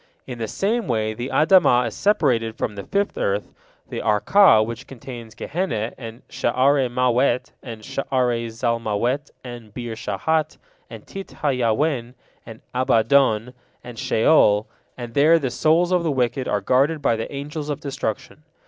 In the same way the Adamah is separated from the fifth earth, the Arka, which contains Gehenna, and Sha'are Mawet, and Sha'are Zalmawet, and Beer Shahat, and Tit ha Yawen, and Abaddon, and Sheol, and there the souls of the wicked are guarded by the Angels of Destruction.